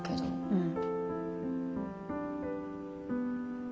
うん。